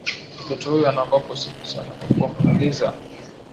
Mtoto huyu anaogopa usiku sana kwa kuwa kuna giza.